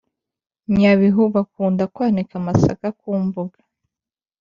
nyabihu bakunda kwanika amasaka ku mbuga